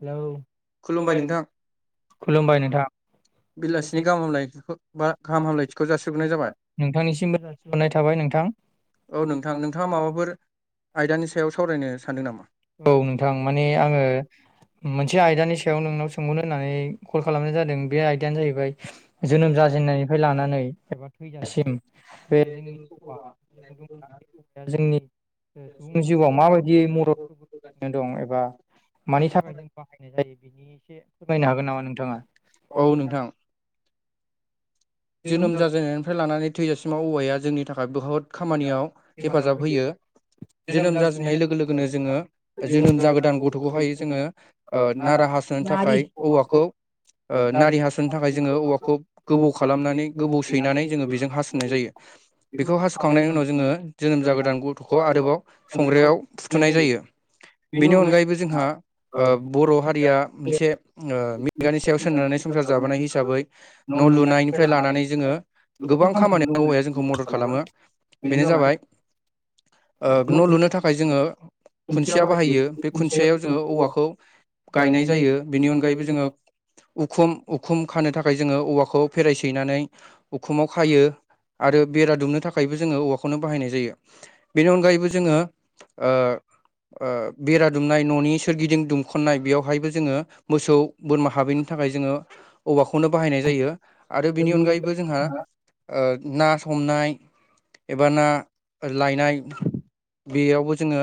Hello खुलुमबाय नों खुलुमबाय नोंथां। नोंथांनिसिमबो दहरनाय थाबाय नों नोंथां। औ नोंथां नोंथाङा माबाफोर आयदानि सायाव सावरायनो सानदों नामा? औ नोंथां माने आंङो मोनसे आयदानि सायाव नोंनाव सोंहरनो होननानै कल खालामनाय जादों बे आयदायानो जाहैबाय जोनोम जाजेननायनिफ्राय लानानै एबा थैजासिम बे जोंनि सुबुं जिउआव माबायदि मदद [inaudible] मानि थाखाय [inaudible] फोरमायनो हागोन नामा नोंथांआ? औ नोंथां। जोनोम जाजेननायनिफ्राय लानानै थैजासिमाव औवाया जोंनि थाखाय बहुत खामानियाव हेफाजाब होयो। जोनोम जाजेननाय लोगो लोगोनो जोङो जोनोम जागोदान गथ'खौहाय जोङो ओ नारा हास'नो थाखाय औवाखौ ओ नारि हास'नो थाखाय जोङो औवाखौ गोबौ खालामो खामनानै गोबौ सोनानै जोङो बेजों हासुनाय जायो बेखौ हास सुखांनायनि उनाव जोङो जोनोम जागोदान गथखौ आरोबाव संग्रायाव फुथुनाय जायो बेनि अनगायैबो जोंहा ओ बर हारिया मोनसे ओ मिगानि सायाव सोननानै संसार जाबोनाय हिसाबै न लुनाय निफ्राय लानानै जोङो गोबां खामानि औवाया जोंखौ मदद खालामो बेनो जाबाय ओ न लुनो थाखाय जोङो खुन्सिया बाहायो बे खुन्थियायाव जोङो औवाखौ गायनाय जायो बेनि अनगायैबो जोङो उखुम उखुम खानो थाखाय जोङो औवाखौ फेरायसैनानै उखुमाव खायो आरो बेरा दुमनो थाखायबो जोङो औवाखौनो बाहायनाय जायो बेनि अनगायैबो जोङो ओ ओ बेरा दुमनाय ननि सोरगिदिं दुमखन्नाय बेयावहायबो जोङो मोसौ बोरमा हाबैनिफ्राय थाखाय जोङो औवाखौनो बाहायनाय जायो आरो बेनि अनगायैबो जोंहा ओ ना समनाय एबा ना लायनाय बेयावबो जोङो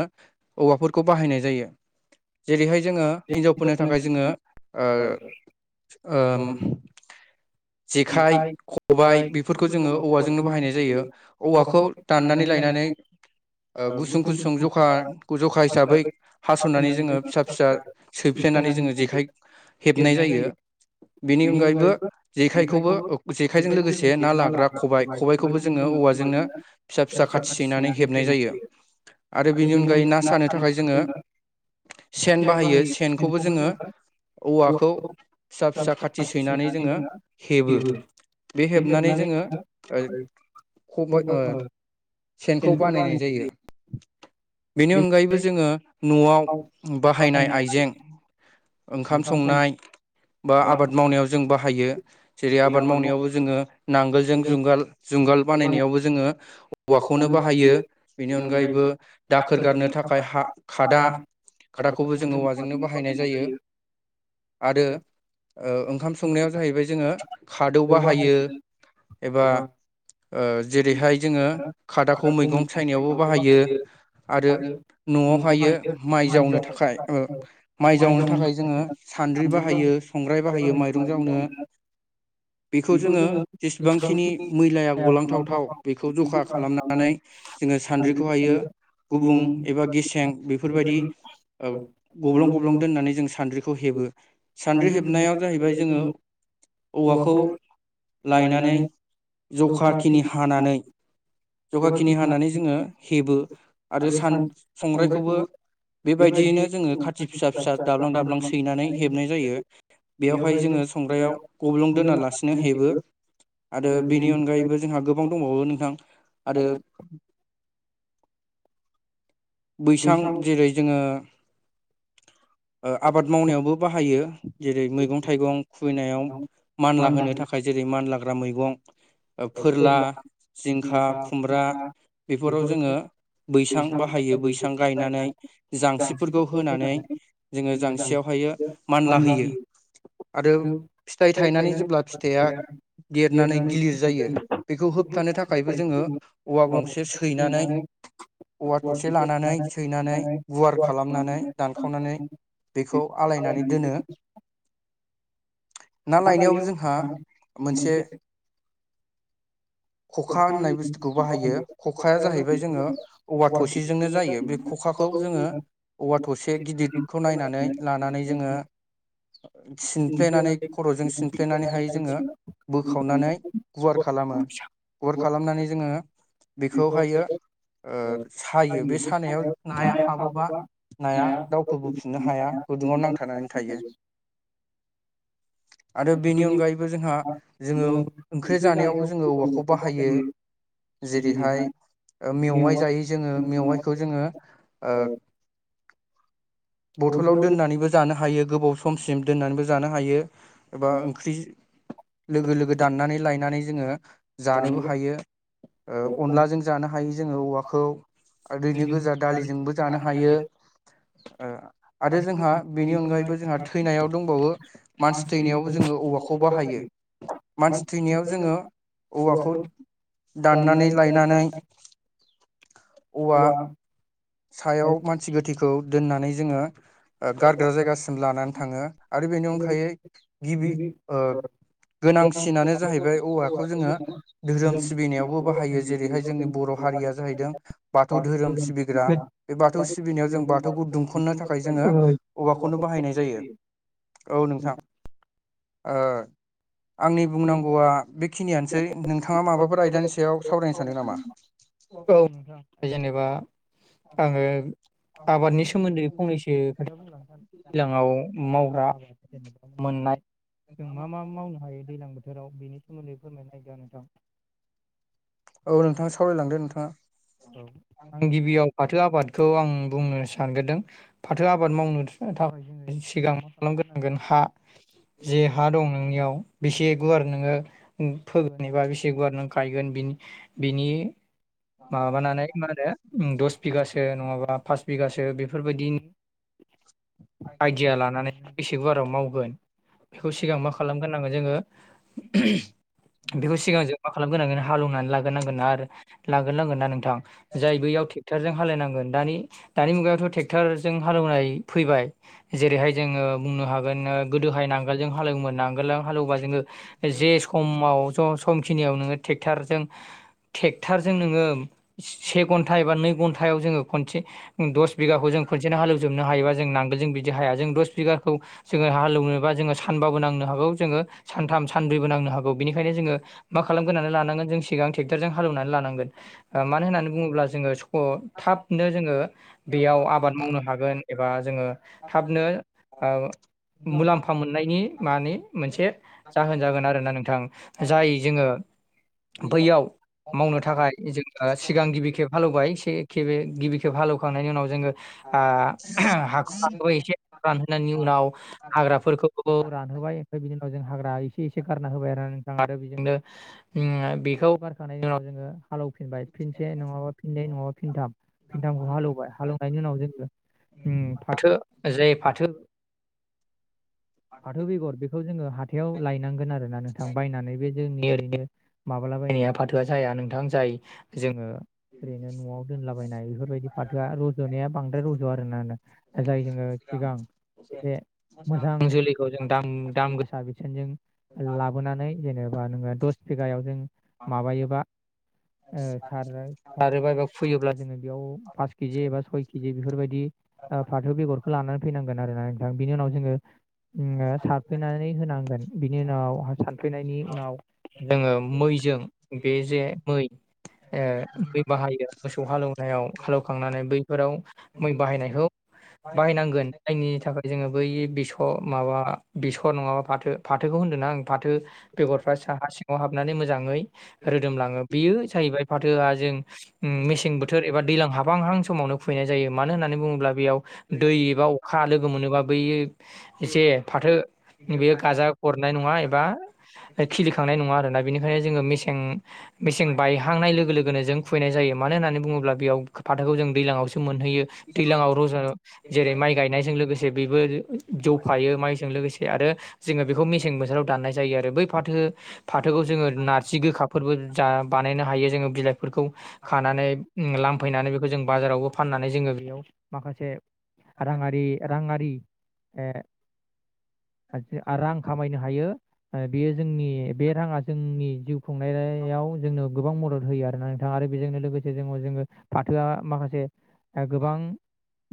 औवाफोरखौ बाहायनाय जायो जेरैहाय जोङो हिनजावफोरनि थाखाय जोङो ओ ओम जेखाइ खबाय बेफोरखौ जोङो औवाजोंनो बाहायनाय जायो औवाखौ दाननानै लायनो [unintelligible] ओ गुसुं गुसुं जखा जखा हिसाबै हासनानै जोङो फिसा फिसा सैफिन [unintelligible] नानै जोङो जेखाय हेबनाय जायो बेनि अनायैबो जे जेखायखौबो जेखायजों लोगोसे ना लाग्रा खबाइ खबायाइखौबो जोङो औवाजोंनो फिसा फिसा खाथि सैनानै हेबनाय जायो आरो बेनि अनगायै ना सानो थाखाय जोङो सेन बाहायो सेनखौबो जोङो औवाखौ फिसा फिसा खाथि सैनानै जोङो हेबो बे हेबनानै जोङो खबा ओ सेनखौ बानायनाय जायो बेनि अनगायैबो जोङो नआव बाहायनाय आइजें ओंखाम संनाय बा आबाद मावनायाव जों बाहायो जेरै आबाद मावनायावबो जोङो नांगोलजों जुंगाल जुंगाल बानायनायावबो जोङो औवाखौनो बाहायो बेनि अनगायैबो दाखोर गारनो थाखाय हा खादा खादाखौबो जोङो औवाजोंनो बाहायनाय जायो आरो ओ ओंखाम संनायाव जाहैबाय जोङो [unintelligible] खादौ बाहायो ऐसा ओ जेरैहाय जोङो खादाखौ मैगं सायनायावबो बाहायो आरो नआवहायो माइ जावनो थाखाय माइ जावनो थाखाय जोङो सान्द्रि बाहायो संग्राय बाहायो माइरं जावनो बेखौ जोङो जेसेबांखिनि मैलाया गलांथावथाव बेखौ जखा खालामनानै जोङो सानद्रिखौहायो गुबुं एबा गेसें बेफोरबायदि गब्लं गब्लं दोननानै जों सानद्रि खौ हेबो सान्द्रि हेबनायाव जाहैबाय जोङो औवाखौ लायनानै जखाखिनि हानानै जगाखिनि हानानै जोङो हेबो आरो सान संग्रायखौबो बेबायदियैनो जोङो खाथि फिसा फिसा दाब्लां दाब्लां सैनानै हेबनाय जायो। बेवहाय जोङो संग्रायाव गब्लं दोनालासिनो हेबो आरो बेनि अनगायैबो जोंहा गोबां दंबावो नोंथां आरो बैसां जेरै जोङो ओ आबाद मावनायावबो बाहायो जेरै मैगं थाइगं खुबैनायाव मानला होनो थाखाय जेरै मानलाग्रा मैगं फोरला जिंखा खुमब्रा बेफोराव जोङो बैसां बाहायो बैसां गायनानै जांस्रिफोरखौ होनानै जोङो जांसेयावहायो मानला होयो आरो फिथाय थायनानै जेब्ला फिथाइया देरनानै गिलिर बेखौ होबथानो थाखायबो जोङो औवा गंसे सैनानै औवा थसे लानानै सैनानै गुवार खालामनानै दानखावनानै बेखौ आलायनानै दोनो [unintelligible] मोनसे [inaudible] खखा होननाय बुस्थुखौ बाहायो खखाया जाहैबाय जोङो औवा थसेजोंनो जायो बे खखाखौ जोङो औवा थसे गिदिदखौ नायनानै लानानै जोङो सिनफ्लेनानै खर'जों सिनफ्लेनानैहाय जोङो बोखाव नानै गुवार खालामो गुवार खालामनानै जोङो बेखौ हायो ओ सायो बे सानायाव नाया हाबोबा नाया दावखौबोफिननो हाया गुदुङाव नांथानानै थायो [inaudible] आरो बेनि अनगायैबो जोंहा जोङो ओंख्रि जानायावबो जोङो औवाखौ बाहायो [inaudible] जेरैहाय मेवाइ जायो जोङो मेवाइखौ जोङो ओ बथलाव दोननानैबो जानो हायो गोबाव समसिम दोननानैबो जानो हायो एबा ओंख्रि लोगो-लोगो दाननानै लायनानै जोङो जानोबो हायो ओ अनलाजों जानो हायो जोङो औवाखौ आरो दैैनि गोजा दालिजोंबो जानो हायो ओ आरो जोंहा बेनि अनगायैबो जोंहा थैनायाव दंबावो मानसि थैनायावबो जोङो औवाखौ बाहायो मानसि थैनायाव जोङो औवाखौ दाननानै लायनानै औवा सायाव मानसि गोथैखौ दोननानै जोङो गारग्रा जायगासिम लानानै थाङो आरो बेनि अनगायै गिबि ओ गोनांसिनानो जाहैबाय औवाखौ जोङो धोरोम सिबिनायावबो बाहायो जेरैहाय जोंनि बर' हारिया जाहैदों बाथौ धोरोम सिबिग्रा बे बाथौ सिबिनायाव जों बाथौखौ दुमखन्नो थाखाय जोङो औबाखौनो बाहायनाय जायो औ नोंथां आंनि बुंनांगौआ बेखिनियानोसै नोंथाङा माबाफोर आयदानि सायाव सावरायनो सानदों नामा औ नोंथां जेनेबा आङो आबादनि सोमोन्दै फंनैसो दैज्लाङाव मावग्रा आबाद जेनेबा मोननाय जों मा मा मावनो हायो दैज्लां बोथोराव बेनि सोमोन्दै फोरमायना होदो नोंथां औ नोंथाङा सावरायलांदो नोंथाङा औ आं गिबियाव फाथो आबाद खौ आं बुंनो सानग्रोदों फाथो आबाद मावनो थाखाय सिगां मा खालामग्रोनांगोन हा आ जे हा दं नोंनियाव बेसे गुवार नोङो फोगोन एबा बेसे गुवार नों गायगोन बिनि-बिनि माबानानै मा होनो दस बिगासो नङाबा पास बिगासो बेफोरबायदि आइडिया लानानै बेसे गुवाराव मावगोन बेखौ सिगां मा खालामग्रोनांगोन जोङो बेखौ सिगां जों मा खालामग्रोनांगोन? हालेवनानै लाग्रोनांगोन ना लागोरनांगोन ना नोंथां जाय बैयाव ट्रेक्टरजों। हालेवनांगोन दानि मुगायावथ' ट्रेक्टरजों हालेवनाय फैबाय जेरैहाय जोङो बुंनो हागोन गोदोहाय नांगोलजों हालेवोमोन नांगोलजों हालेवोबा जोङो जे समाव समखिनियाव नोङो ट्रेक्टरजों ट्रेक्टर जों नोङो से घन्टा एबा नै घन्टायाव जोङो खनसे दस बिगाखौ जोङो खनसे बिदिनो हालौजोबनो हायोबा जों नांगोलजों बिदि हाया जों दस बिगाखौ जोङो हालौनोबा जोङो सानबाबो नांनो हागौ। जोङो सानथाम सानब्रैबो नांनो हागौ बिनिखायनो जोङो मा खालामग्रोनानै लानांगोन जों सिगां ट्रेक्टरजों हालौनानै लानांगोन ओ मानो होननानै बुङोब्ला जोङो सुख- ओ थाबनो जोङो बेयाव आबाद मावनो हागोन एबा जोङो थाबनो आव- मुलाम्फा मोननायनि माने मोनसे जाहोन जागोन आरोना नोंथां जाय जोङो। बैयाव मावनो थाखाय जों ओ सिगां गिबि खेब हालेवबाय सिखे- गिबि गिबि खेब हालेवखांनायनि उनाव जोङो ओ हाखो एसे रानहोनायनि उनाव हाग्राफोरखौबो रानहो होबाय ओमफ्राय बेनि उनाव जों हाग्रा एसे एसे गारना होबाय आरो ना। मोजां आरो बिजोंनो उम बेखौ बारखांनायनि उनाव जोङो। हालेवफिनबाय फिनसे नङाबा फिनै नङाबा फिनथाम फिनथामखौ हालेवबाय हालौनायनि उनाव जोङो। उम फाथो जे फाथो फाथो बेगर बेखौ जोङो हाथायाव लायनांगोन आरोना नोंथां बायनानै बे जोंनि ओरैनो माबालाबायनाया फाथोआ जाया नोंथां जाय जोङो ओरैनो न'आव दोनलाबायनाय बेफोरबायदि फाथोआ रज'नाया बांद्राय रज'आ आरोना नों जाय जोङो ओ सिगां एसे मोजां जोलैखौ जों दाम दाम गोसा बिथोनजों लाबोनानै जेनेबा होनबा नोङो दस बिगायाव जों माबायोबा ओ सारो सारोबा बेयाव फैयोब्ला जोङो बेयाव पास केजि एबा सय केजि बेफोरबायदि ओ फाथो बेगरखौ लानानै फैनांगोन आरोना नोंथां बिनि उनाव जोङो उम - सारफैनानै होनांगोन बिनि उनाव सानफैनायनि उनाव जोङो मो- मैजों बे जे मै ए मै बाहायो मोसौ हालेवनायाव हालौवखांनानै बैफोराव मै बाहायनायखौ बाहायनांगोन जायनि थाखाय जोङो बै बिसरमाबा बेसर नङाबा फाथो फाथोखौ होनदों ना आं। फाथो बेगरफ्रा सा हा सिङाव हाबनानै मोजाङै रोदोमलाङो बेयो जाहैबाय फाथोआ जों मेसें बोथोर एबा दैजलां हाबां हां समावनो फैनाय जायो मानो होननानै बुङोब्ला बेयाव दै एबा अखा लोगो मोनोबा बैयो जे फाथो बेयो गाजा गरनाय नङा एबा खिलिखांनाय नङा आरोना। बेनिखायनो जोङो मसें मेसें बायहांनाय लोगो लोगोनो जों फोहैनाय जायो मानो होननानै बुङोब्ला बेयाव फाथोखौ जों दैज्लांआव सो- मोनहैयो दैज्लाांआव रज जेरै माइ गायनायजों लोगोसे बेबो जौफायो माइजों लोगोसे आरो जोङो बेखौ मेसें बोसोराव दाननाय जायो आरो बै फाथो फाथोखौ जोङो नारजि गोखाफोरबो जा बानायनो हायो जोङो बिलाइ फोरफोरखौ खानानै उम लामफैनानै बेखौ जों बाजारावबो फाननानै जोङो बेयाव माखासे रांङारि रांङारि ए आ जे - रां खामायनो हायो ओ बेयो जोंनि बे राङा जोंनि जिउ खुंनाय - नायाव ओ गोबां मदद होयो आरोना नोंथाङा आरो बेजोंनो लोगोसे जोंबो जोङो फाथोआ माखासे गोबां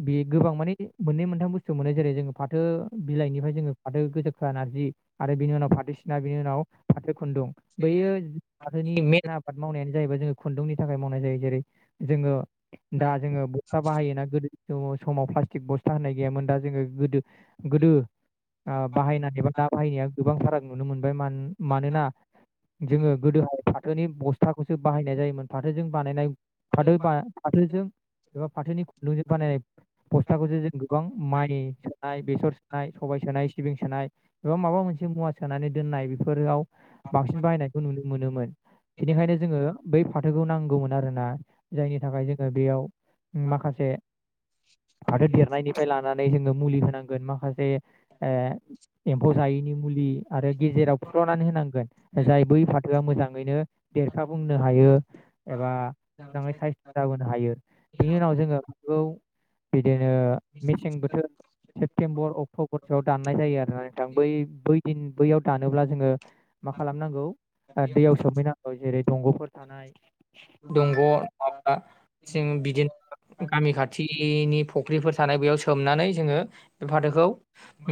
बे गोबां मानि बे- मोननै मोनथाम बुस्थु मोनो जेरै जोङो फाथो बिलाइनिफ्राय जोङो फाथो गोजोखा नारजि आरो बेनि उनाव फाथो। सिना बिनि उनाव फाथो खुन्दुं बैयो मेन आबाद मावनायानो जाहैबाय जोङो खुन्दुंनि थाखाय मावनाय जायो जेरै जोङो दा जोङो बस्था बाहायोना गोदो सम समाव प्लास्टिक बस्था होनाय गैयामोन दा जोङो गोदो गोदो आ बाहायनाय एबा दा बाहायनाया गोबां फाराग नुनो मोन बाय मान- मानोना जोङो गोदोहाय फाथोनि बस्थाखौसो बाहायनाय जायोमोन फाथोजों बानायनाय फाथो बा फाथोजों एबा फाथोनि खुन्दुंजों बानायनाय बस्थाखौसो जों गोबां माइ सोनाय बेसर सो- सोनाय सबाय सोनाय सिबिं सोनाय एबा माबा मोनसे मुवा सोनानै दोननाय बेफोराव बांसिन बाहायनायखौ नुनो मोनोमोन बेनिखायनो जोङो बै फाथोखौ नांगौमोन आरो ना। जायनि थाखाय जोङो बेयाव माखासे फाथो देरनायनिफ्राय लानानै जोङो मुलि होनांगोन माखासे ओ एम्फौ जायिनि मुलि आरो गेजेराव फुख्ल'नानै होनांगोन जाय बै फाथोआ मोजाङैनो देरखा बुंनो हायो एबा मोजाङै साइस्थ' जाबोनो हायो बेनि उनाव जोङो बेखौ बिदिनो मेसें बोथोर सेप्तेम्बर अक्ट'बर सोआव दाननाय जायो आरो ना नोंथां बै बै दिन बैयाव दानोब्ला जोङो मा खालामनांगौ दैयाव औ जेरै दंग'फोर थानाय दंग' नङाब्ला जों बिदिनो गामि खाथि बिनि फुख्रिफोर थानाय बेयाव सोमनानै जोङो बे फाथोखौ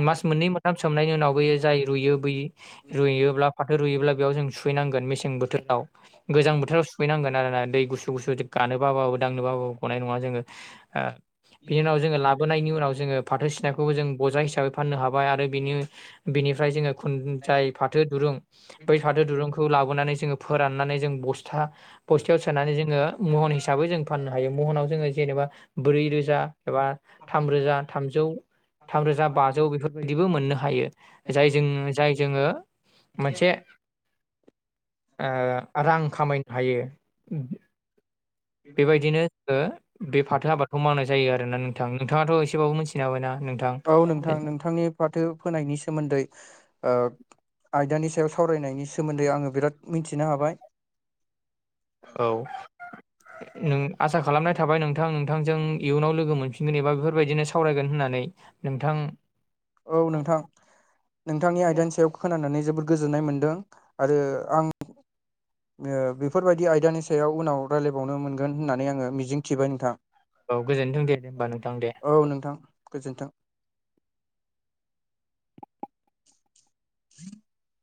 मास मोननै मोनथाम सोमनायनि उनाव बैयो जाय रुयो बै रुइयोब्ला फाथो रुयोब्ला बेयाव जों सुहैनांगोन मेसें बोथोराव गोजां बोथोराव सु सुफैनांगोन आरोना दै गुसु गुसु गानो बाबाबो दांनो बाबाबो गनाय नङा जोङो ओ बिनि उनाव जोङो लाबोनायनि उनाव जोङो फाथो सिनायखौबो जों बजा हिसाबै फाननो हाबाय आरो बिनि बेनिफ्राय जोङो जाय फाथो दुरुं बै फाथो दुरुंखौ लाबोनानै जोङो फोराननानै जों बस्था बस्थायाव सोनानै जोङो महन हिसाबै जों फाननो हायो महनाव जोङो जेनेबा ब्रै रोजा एबा थामरोजा थामजौ थामरोजा बाजौ बेफोरबायदिबो मोननो हायो। जायजों जाय जोङो मोनसे ओ रां खामायनो हायो। बेबायदिनो जोङो बे फाथो आबाद खौ मावनाय जायो आरो ना नोंथां नोंथाङाथ' एसेबाबो मिथिनो हाबाय ना? औ नोंथां नोंथांनि फाथो फोनायनि सोमोन्दै ओ आयदानि सायाव सावरायनायनि सोमोन्दै आङो बिराद मिथिनो हाबाय औ नों आसा खालामनाय थाबाय नोंथां नोंथांजों इयुनाव लोगो मोनफिनगोन एबा बेफोरबायदिनो सावरायगोन होनना होननानै नोंथां औ नोंथां नोंथांनि आयदानि सायाव खोनानानै जोबोद गोजोननाय मोनदों। आरो आं ओ बेफोरबायदि आयदानि सायाव उनाव रायलायबावनो मोनगोन होननानै आङो मिजिं थिबाय नोंथां। औ गोजोन्थों दे दे होमबा नोंथां दे गोजोन्थों। [inaudible]